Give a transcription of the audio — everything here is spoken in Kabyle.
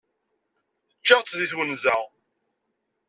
Ččiɣ-tt deg twenza.